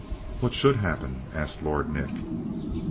"What should happen?" asked Lord Nick.